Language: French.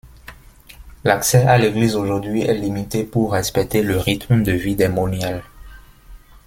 L'accès à l'église aujourd'hui est limité pour respecter le rythme de vie des moniales.